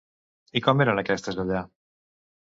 I com eren aquestes allà?